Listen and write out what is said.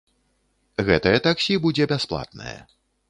Гэтае таксі будзе бясплатнае.